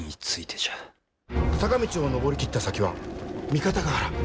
坂道を上り切った先は三方ヶ原。